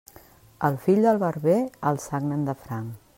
El fill del barber el sagnen de franc.